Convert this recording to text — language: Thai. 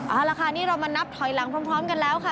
เอาละค่ะนี่เรามานับถอยหลังพร้อมกันแล้วค่ะ